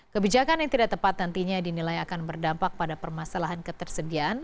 kebijakan yang tidak tepat nantinya dinilai akan berdampak pada permasalahan ketersediaan